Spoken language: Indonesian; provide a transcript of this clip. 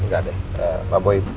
enggak deh pak boy